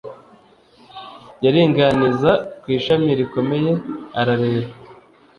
yaringaniza ku ishami rikomeye arareba